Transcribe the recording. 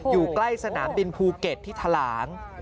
อยู่ใกล้สนามบินภูเก็ตที่ทะหลาง